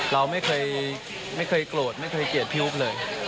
เราไม่เคยโกรธไม่เคยเกลียดพี่อุ๊บเลย